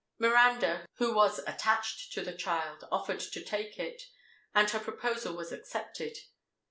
Miranda, who was attached to the child, offered to take it; and her proposal was accepted.